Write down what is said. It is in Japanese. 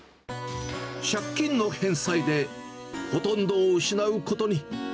借金の返済でほとんどを失うことに。